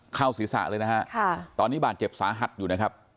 เข้าศีรษะเลยนะฮะตอนนี้บาดเจ็บสาหัสอยู่นะครับ